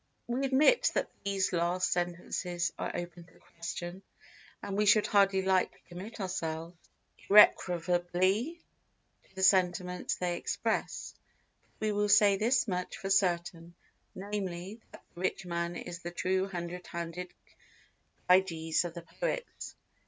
We admit that these last sentences are open to question, and we should hardly like to commit ourselves irrecoverably to the sentiments they express; but we will say this much for certain, namely, that the rich man is the true hundred handed Gyges of the poets.